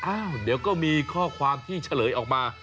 อ้าวเดี๋ยวก็มีข้อความที่เฉลยออกมา